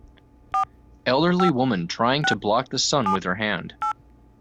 Elderly woman trying to block the sun with her hand.